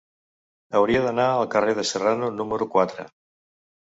Hauria d'anar al carrer de Serrano número quatre.